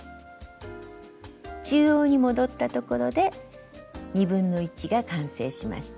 中央に戻ったところで1/2が完成しました。